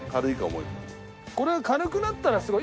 これが軽くなったらすごい。